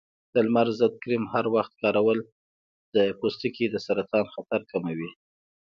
د لمر ضد کریم هر وخت کارول د پوستکي د سرطان خطر کموي.